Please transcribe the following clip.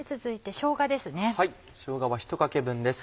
しょうがは１かけ分です。